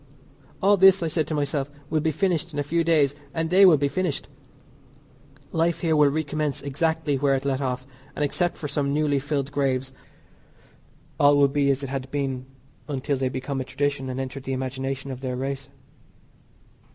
All this, I said to myself, will be finished in a few days, and they will be finished; life here will recommence exactly where it left off, and except for some newly filled graves, all will be as it had been until they become a tradition and enter the imagination of their race.